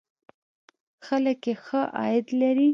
خلک یې ښه عاید لري.